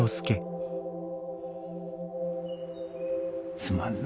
すまんな。